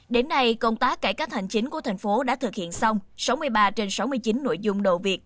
đến nay công tác cải cách hành chính của thành phố đã thực hiện xong sáu mươi ba trên sáu mươi chín nội dung đầu việc